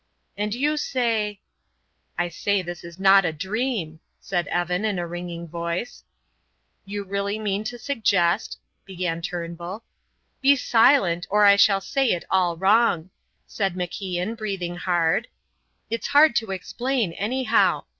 "And you say " "I say this is not a dream," said Evan in a ringing voice. "You really mean to suggest " began Turnbull. "Be silent! or I shall say it all wrong," said MacIan, breathing hard. "It's hard to explain, anyhow.